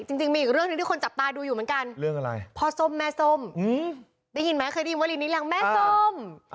จริงมีอีกเรื่องที่คนจับตาดูอยู่เหมือนกันพอส้มแม่ส้มได้ยินไหมได้ยินวันนี้แหล่งแม่ส้ม